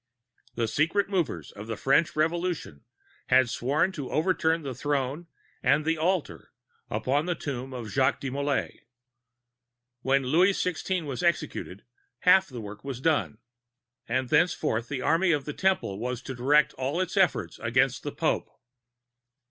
The secret movers of the French Revolution had sworn to overturn the Throne and the Altar upon the Tomb of Jacques de Molai. When Louis XVI. was executed, half the work was done; and thenceforward the Army of the Temple was to direct all its efforts against the Pope.